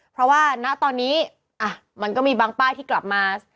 เพราะว่าณตอนนี้มันก็มีบางป้ายที่กลับมา